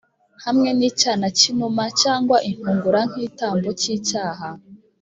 , hamwe n’icyana cy’inuma cyangwa intungura nk’itambo cy’icyaha